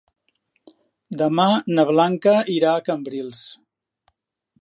Demà na Blanca irà a Cambrils.